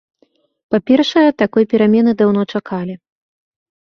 Па-першае, такой перамены даўно чакалі.